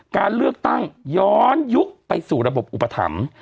การเลือกตั้งย้อนยุคไปสู่ระบบอุปถัมภ์